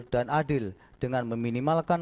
dan adil dengan meminimalkan